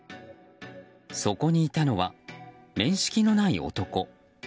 そこにいたのは、面識のない男。